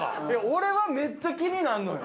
俺はめっちゃ気になんのよ。